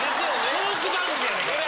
トーク番組やねんから。